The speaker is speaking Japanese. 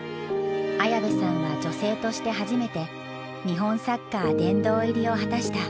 綾部さんは女性として初めて「日本サッカー殿堂入り」を果たした。